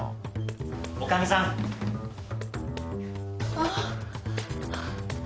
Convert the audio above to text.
あっ。